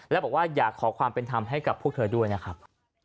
และบอกว่าอยากขอความเป็นธรรมให้กับพวกเธอด้วยนะครับ